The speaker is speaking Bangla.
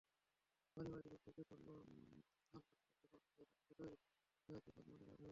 পানিবাহিত রোগ থেকে সাবধানবর্ষায় জলাবদ্ধতায় পানি দূষিত হয়ে ব্যবহার্য পানি অনিরাপদ হয়ে ওঠে।